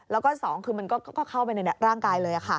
แล้วก็๒คือมันก็เข้าไปในร่างกายเลย